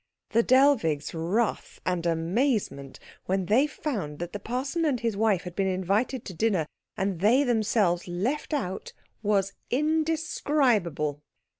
The Dellwigs' wrath and amazement when they found that the parson and his wife had been invited to dinner and they themselves left out was indescribable.